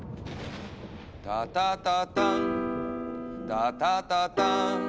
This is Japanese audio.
「タタタターンタタタターン」」